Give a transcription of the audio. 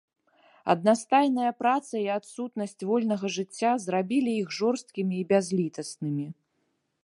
Аднастайная праца і адсутнасць вольнага жыцця зрабілі іх жорсткімі і бязлітаснымі.